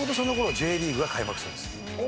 Ｊリーグが開幕するんです。